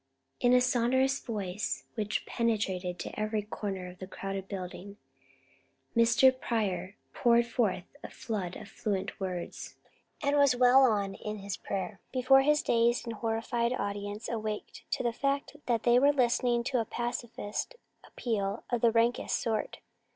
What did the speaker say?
In a sonorous voice which penetrated to every corner of the crowded building Mr. Pryor poured forth a flood of fluent words, and was well on in his prayer before his dazed and horrified audience awakened to the fact that they were listening to a pacifist appeal of the rankest sort.